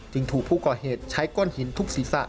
ถูกผู้ก่อเหตุใช้ก้อนหินทุบศีรษะ